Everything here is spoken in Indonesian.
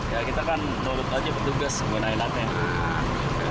ya kita kan menurut saja bertugas menggunakan latnya